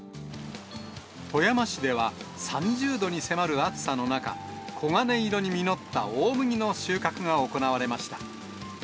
富山市では、３０度に迫る暑さの中、黄金色に実った大麦の収穫が行われました。